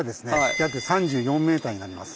約３４ｍになります。